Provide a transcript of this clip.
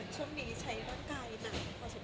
ช่วงนี้ใช้บ้างกายหน่อยพอสุดคุณกันอ่ะ